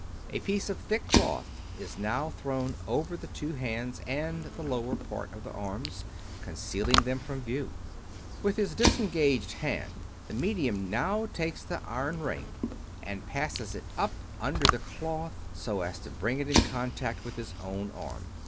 A piece of thick cloth is now thrown over the two hands and the lower part of the arms, concealing them from view. With his disengaged hand the medium now takes the iron ring and passes it up under the 279 True Stories of Modern Magic cloth, so as to bring it in contact with his own arm.